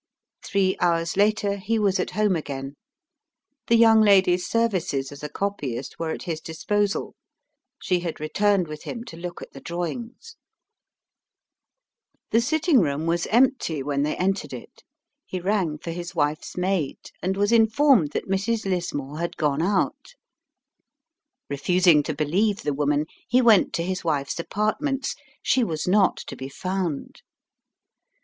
Three hours later he was at home again. The young lady's services as a copyist were at his disposal; she had returned with him to look at the drawings. The sitting room was empty when they entered it. He rang for his wife's maid, and was informed that Mrs. Lismore had gone out. Refusing to believe the woman, he went to his wife's apartments. She was not to be found.